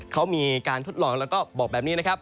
เขามีการทดลองแล้วก็บอกแบบนี้